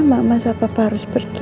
mama sama papa harus pergi